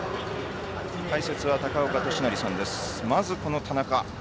解説は高岡寿成さんです。